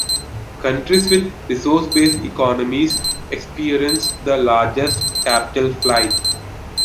Countries with resource-based economies experience the largest capital flight.